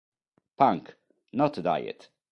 Punk... Not Diet!